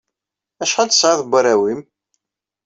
Acḥal tesɛiḍ n warraw-im?